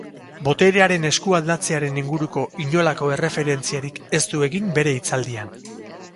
Boterearen esku aldatzearen inguruko inolako erreferentziarik ez du egin bere hitzaldian.